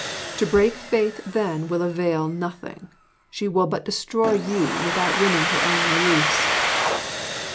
To break faith then will avail nothing: she will but destroy you without winning her own release.'